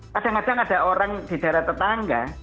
kadang kadang ada orang di daerah tetangga